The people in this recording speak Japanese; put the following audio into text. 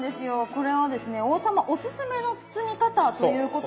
これはですね王様おすすめの包み方ということで。